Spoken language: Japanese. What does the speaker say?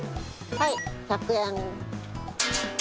はい１００円。